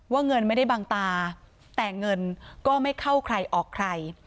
เงินไม่ได้บังตาแต่เงินก็ไม่เข้าใครออกใคร